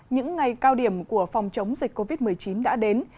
những ngày cao điểm của phòng chống dịch covid một mươi chín đã đến